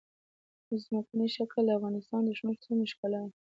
ځمکنی شکل د افغانستان د شنو سیمو ښکلا ده.